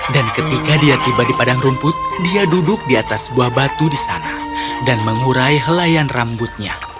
dan ketika dia tiba di padang rumput dia duduk di atas sebuah batu di sana dan mengurai helayan rambutnya